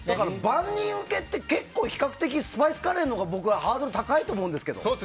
万人受けって結構比較的スパイスカレーのほうが僕はハードル高いと思うんですけど。